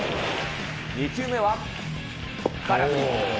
２球目は空振り。